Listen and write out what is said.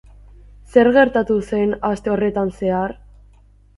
Zer gertatu zen aste horretan zehar?